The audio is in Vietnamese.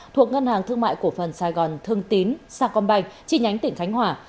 thuộc ngân hàng thương mại cổ phần sài gòn thương tín sa công banh chi nhánh tỉnh khánh hòa